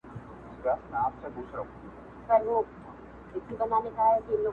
خير دی د مني د اول ماښام هوا به سم,